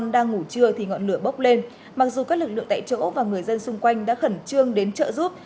đang ngủ trưa thì ngọn lửa bốc lên mặc dù các lực lượng tại chỗ và người dân xung quanh đã khẩn trương đến trợ giúp